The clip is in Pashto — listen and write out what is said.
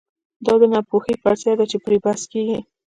دا د ناپوهۍ فرضیه ده چې پرې بحث کېږي.